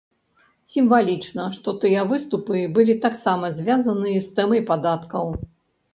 Сімвалічна, што тыя выступы былі таксама звязаныя з тэмай падаткаў.